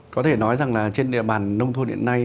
có thể nói rằng là trên địa bàn nông thôn hiện nay